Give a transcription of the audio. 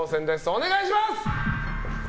お願いします！